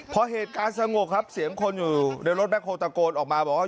พอเหตุการณ์สงบครับเสียงคนอยู่ในรถแคลตะโกนออกมาบอกว่า